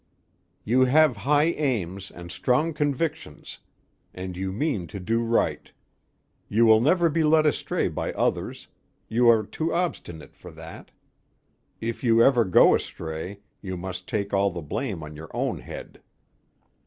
You have high aims and strong convictions, and you mean to do right. You will never be led astray by others you are too obstinate for that. If you ever go astray, you must take all the blame on your own head.